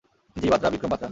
জি, Batra, Vikram Batra.